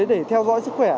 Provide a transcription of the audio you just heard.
để theo dõi sức khỏe